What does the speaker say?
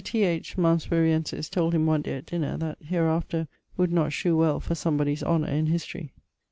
T. H., Malmesburiensis, told him one day at dinner that 'that hereafter would not shew well for somebodie's honour in history.'